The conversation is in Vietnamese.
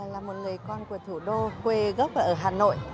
là một người con của thủ đô quê gốc ở hà nội